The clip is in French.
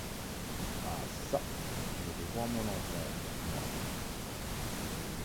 Ah çà! je veux voir mon enfant, moi !